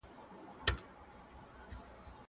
کېدای سي ليکنې اوږدې وي!